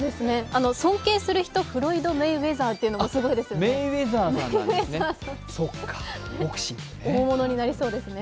尊敬する人、フロイド・メイウェザーというのもすごいですね。